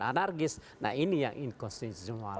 anarkis nah ini yang inkonstitual